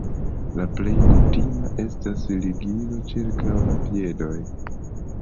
La plej kutima estas ligilo ĉirkaŭ la piedoj.